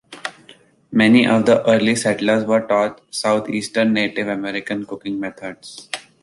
Many of the early settlers were taught Southeastern Native American cooking methods.